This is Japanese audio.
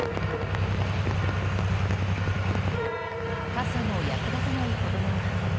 傘も役立たないほどの雨。